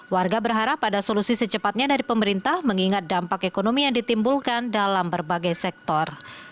warga berharap ada solusi secepatnya dari pemerintah mengingat dampak ekonomi yang ditimbulkan dalam berbagai sektor